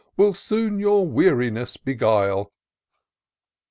Will soon your weariness beguile."